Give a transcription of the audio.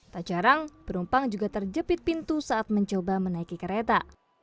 tak jarang penumpang juga terjepit pintu saat mencoba menaiki kereta